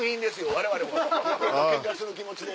われわれケンカする気持ちで。